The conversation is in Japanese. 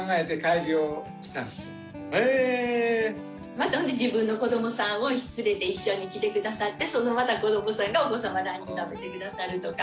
またほんで自分の子どもさんを連れて一緒に来てくださってそのまた子どもさんがお子様ランチ食べてくださるとか。